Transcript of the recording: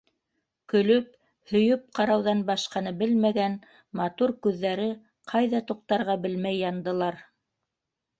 Көлөп, һөйөп ҡарауҙан башҡаны белмәгән матур күҙҙәре ҡайҙа туҡтарға белмәй яндылар.